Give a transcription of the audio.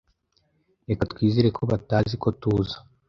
Reka twizere ko batazi ko tuza.